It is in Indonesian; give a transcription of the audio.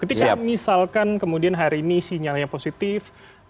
ketika misalkan kemudian hari ini sinyalnya positif